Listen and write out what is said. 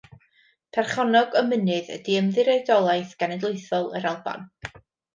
Perchennog y mynydd ydy Ymddiriedolaeth Genedlaethol yr Alban.